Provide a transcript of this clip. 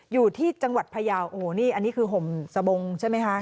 อยู่ที่จังหวัดพยาวน์โหอ้อันนี้คือห่มสบงใช่มั้ยคะ